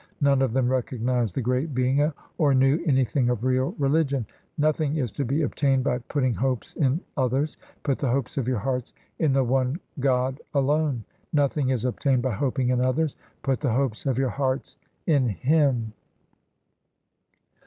None of them recognized the great Being Or knew anything of real religion. Nothing is to be obtained by putting hopes in others ; Put the hopes of your hearts in the One God alone. Nothing is obtained by hoping in others ; Put the hopes of your hearts in Him.